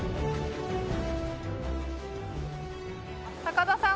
高田さん